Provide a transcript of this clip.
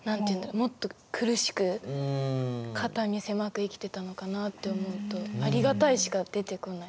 もっと苦しく肩身狭く生きてたのかなって思うとありがたいしか出てこない。